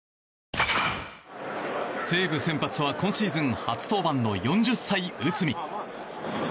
西武先発は今シーズン初登板の４０歳、内海。